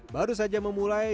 baru saja memulai